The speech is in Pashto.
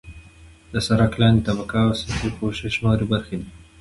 د سرک لاندنۍ طبقه او سطحي پوښښ نورې برخې دي